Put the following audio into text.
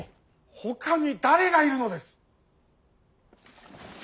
ほかに誰がいるのです。